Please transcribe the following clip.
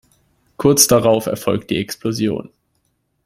Kurz darauf erfolgt die Explosion.